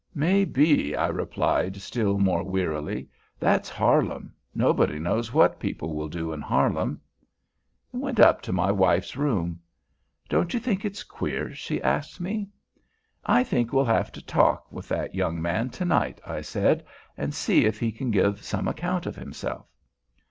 "May be," I replied, still more wearily. "That's Harlem. Nobody knows what people will do in Harlem." I went up to my wife's room. "Don't you think it's queer?" she asked me. "I think I'll have a talk with that young man to night," I said, "and see if he can give some account of himself."